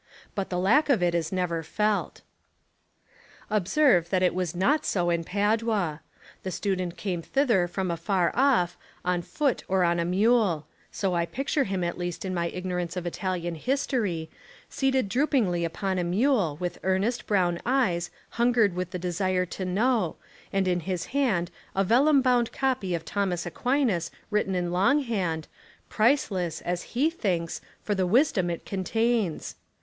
But the lack of it is never felt. Observe that it was not so in Padua. The student came thither from afar off, on foot or on a mule; so I picture him at least in my ignorance of Italian history, seated droopingly 23 Essays and Literary Studies upon a mule, with earnest, brown eyes hungered with the desire to know, and in his hand a vellum bound copy of Thomas Aquinas written in long hand, priceless, as he thinks, for the wisdom it contains.